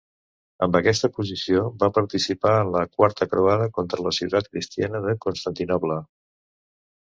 Amb aquesta posició, va participar en la Quarta Croada contra la ciutat cristiana de Constantinoble.